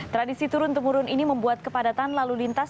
tradisi turun temurun ini membuat kepadatan lalu lintas